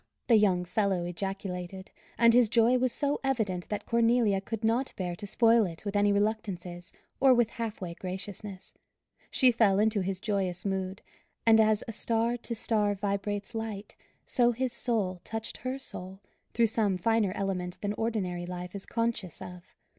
the young fellow ejaculated; and his joy was so evident that Cornelia could not bear to spoil it with any reluctances, or with half way graciousness. She fell into his joyous mood, and as star to star vibrates light, so his soul touched her soul, through some finer element than ordinary life is conscious of.